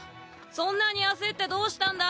・そんなに焦ってどうしたんだ？